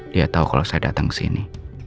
dia tau kalo saya datang kesini